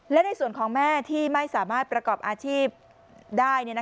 และในส่วนของแม่ที่ไม่สามารถประกอบอาชีพได้